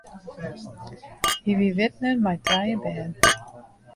Hy wie widner mei trije bern.